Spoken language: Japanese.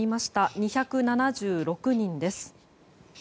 ２７６人です。